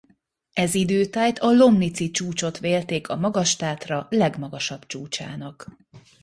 Ez idő tájt a Lomnici-csúcsot vélték a Magas-Tátra legmagasabb csúcsának.